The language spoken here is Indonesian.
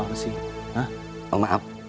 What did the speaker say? dan lagi sebenarnya kali ini mau apa sih